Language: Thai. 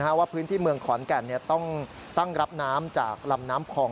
ว่าพื้นที่เมืองขอนแก่นต้องตั้งรับน้ำจากลำน้ำพอง